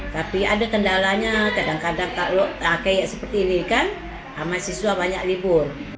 tapi ada kendalanya kadang kadang kalau kayak seperti ini kan sama siswa banyak libur